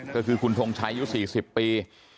ก็คือคุณทงชัยอายุ๔๐ปี